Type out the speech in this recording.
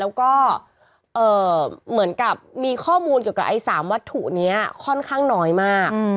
แล้วก็เหมือนกับมีข้อมูลเกี่ยวกับไอ้๓วัตถุนี้ค่อนข้างน้อยมาก